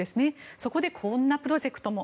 そこで、こんなプロジェクトも。